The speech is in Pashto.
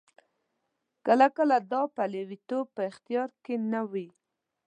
کله کله دا پلویتوب په اختیار کې نه وي.